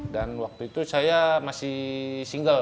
dan waktu itu saya masih single